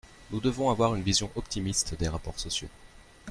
Nous devons avoir une vision optimiste des rapports sociaux.